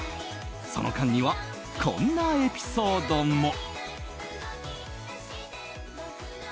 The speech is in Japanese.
その間にはこんなエピソードも。